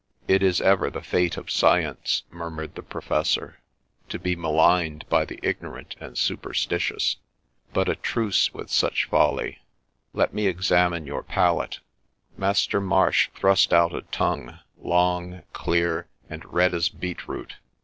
' It is ever the fate of science,' murmured the professor, ' to be maligned by the ignorant and superstitious. But a truce with such folly ;— let me examine your palate.' Master Marsh thrust out a tongue long, clear, and red as beet root.